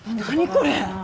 これ！